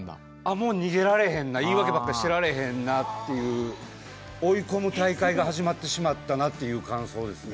もう逃げられへんな、言いわけばっかりしてられへんなという、追い込む大会が始まってしまったという感想ですね。